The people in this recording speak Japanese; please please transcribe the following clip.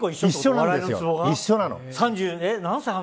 一緒なの。